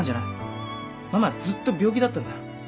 ママはずっと病気だったんだ。